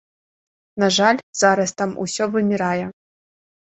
На жаль, зараз там усё вымірае.